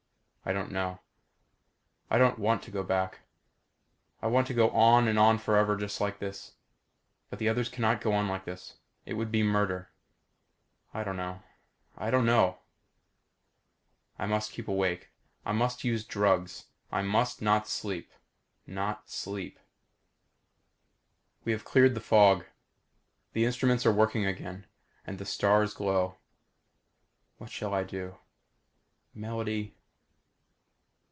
I don't know. I don't want to go back. I want to go on and on forever just like this. But the others cannot go on like this. It would be murder. I don't know. I don't know. I must keep awake. I use drugs. I must not sleep not sleep. We have cleared the fog. The instruments are working again. Again the stars glow. What shall I do. _Melody....